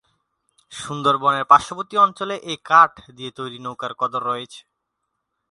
সুন্দরবনের পার্শ্ববর্তী অঞ্চলে এ কাঠ দিয়ে তৈরি নৌকার কদর রয়েছে।